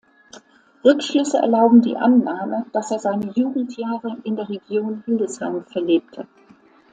Rückschlüsse erlauben die Annahme, dass er seine Jugendjahre in der Region Hildesheim verlebte.